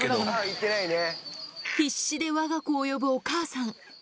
必死でわが子を呼ぶお母さん。